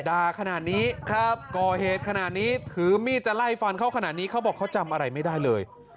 ขนาดนี้ครับก่อเหตุขนาดนี้ถือมีดจะไล่ฟันเขาขนาดนี้เขาบอกเขาจำอะไรไม่ได้เลย